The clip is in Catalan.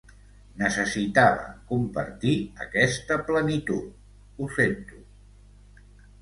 Necessitava compartir aquesta plenitud, ho sento.